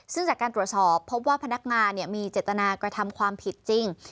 ซึ่งจากการตรวจสอบพบว่าพนักงานมีเจตนากระทำความผิดจริง